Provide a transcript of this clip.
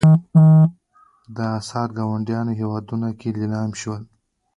دا اثار ګاونډیو هېوادونو کې لیلام شول.